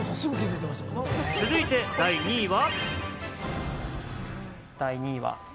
続いて第２位は？